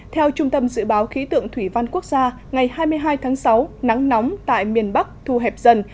theo trung tâm dự báo khí tượng thủy văn quốc gia ngày hai mươi hai tháng sáu nắng nóng tại miền bắc thu hẹp dần